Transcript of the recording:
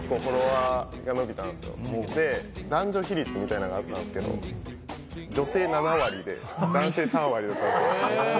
で男女比率みたいなのがあったんですけど女性７割で男性３割だったんですよ。